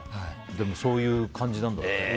でも、そういう感じなんだって。